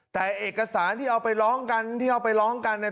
แต่เอกสารที่เอาไปร้องกันที่เอาไปร้องกันเนี่ย